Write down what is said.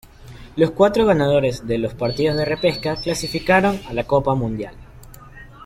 Los cuatro ganadores de los partidos de repesca clasificaron a la Copa Mundial.